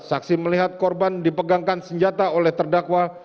saksi melihat korban dipegangkan senjata oleh terdakwa